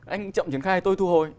anh chậm triển khai tôi thu hồi